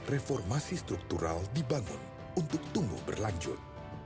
reformasi struktural dibangun untuk tumbuh berlanjut